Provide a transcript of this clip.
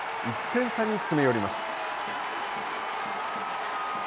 １点差に詰め寄ります。